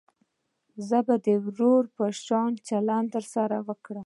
زه به د ورور په شان چلند درسره وکم.